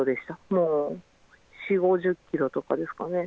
もう４、５０キロとかですかね。